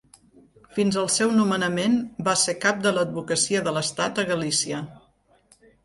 Fins al seu nomenament va ser cap de l'advocacia de l'estat a Galícia.